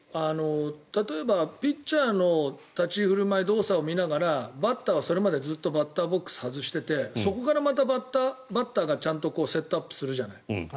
例えばピッチャーの立ち振る舞い動作を見ながらバッターはそれまでずっとバッターボックス外しててそこからまたバッターがちゃんとセットアップするじゃない。